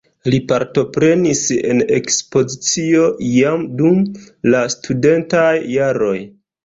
Li partoprenis en ekspozicio jam dum la studentaj jaroj.